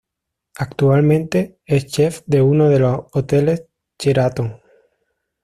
Actualmente, es chef de uno de los hoteles Sheraton.